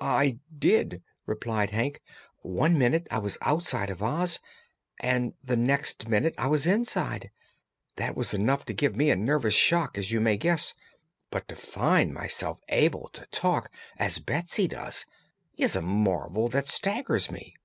"I did," replied Hank. "One minute I was outside of Oz and the next minute I was inside! That was enough to give me a nervous shock, as you may guess; but to find myself able to talk, as Betsy does, is a marvel that staggers me."